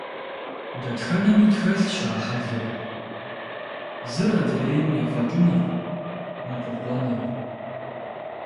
Дэтхэнэми тхэлъщ а хьэлыр – зыр адрейм ефӀэкӀыныр, ныкъуэкъуэныр.